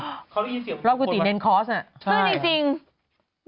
รอบกุฏิเน้นคอร์สน่ะ